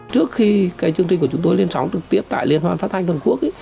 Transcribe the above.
trước khi chương trình của chúng tôi lên sóng trực tiếp tại liên hoan phát thanh toàn quốc